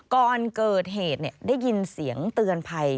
ก่อนเกิดเหตุได้ยินเสียงเตือนภัย